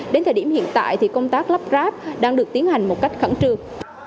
đến thời điểm hiện tại thì công tác lắp ráp đang được tiến hành một cách khẩn trương